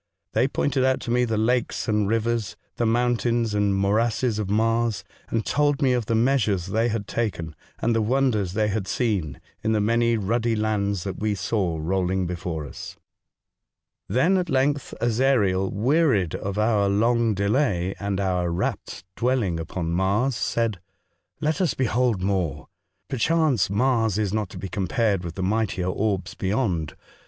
They pointed out to me the lakes and rivers, the mountains and morasses of Mars, and told me of the measures they had taken and the wonders they had seen in the many ruddy lands that we saw rolling before us. The Voyage Through Sjpace, 159 Then at length Ezariel, wearied at onr long delay and our rapt dwelling upon Mars, said :" Let us behold more. Perchance, Mars is not to be compared with the mightier orbs beyond.